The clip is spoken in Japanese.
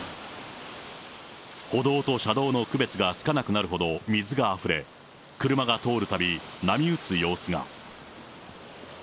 歩道と車道の区別がつかなくなるほど水があふれ、車が通るたび、波打つ様子が。